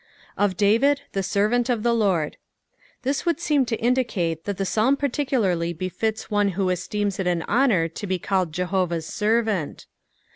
Of David the Hemmt of the Lord. Tiiis wmdd seem to indicate that the Psalm pteuliarly befits one mho eateems U an hoaour to be oaOed Jehovah's servant.